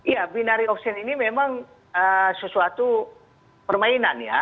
ya binary oksigen ini memang sesuatu permainan ya